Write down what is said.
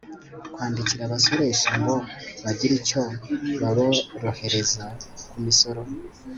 kwandikira abasoresha ngo bagire icyo baborohereza ku misoro